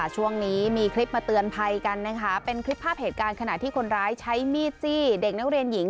ช่วงนี้มีคลิปมาเตือนภัยกันนะคะเป็นคลิปภาพเหตุการณ์ขณะที่คนร้ายใช้มีดจี้เด็กนักเรียนหญิง